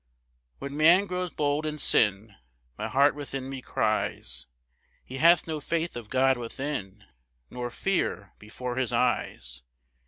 1 When man grows bold in sin My heart within me cries, "He hath no faith of God within, Nor fear before his eyes."